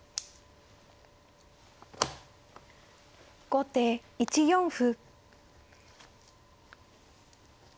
後手１四歩。